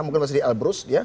mungkin masih di elbrus